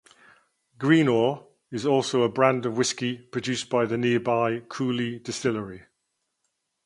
"Greenore" is also a brand of whiskey produced by the nearby Cooley Distillery.